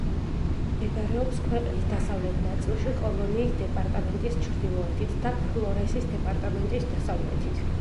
მდებარეობს ქვეყნის დასავლეთ ნაწილში, კოლონიის დეპარტამენტის ჩრდილოეთით და ფლორესის დეპარტამენტის დასავლეთით.